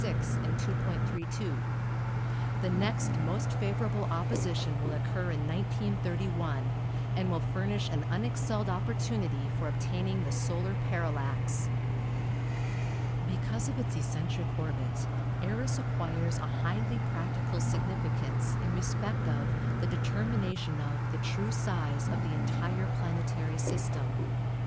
The next most favorable op 224 ASTRONOMY position will occur in 1931, and will furnish an unexcelled opportunity for obtaining the solar parallax. Because of its eccentric orbit Eros acquires a highly practical significance in respect of the determination of the true size of the entire planetary system.